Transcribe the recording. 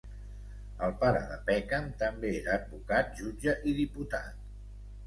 El pare de Peckham també era advocat, jutge i diputat.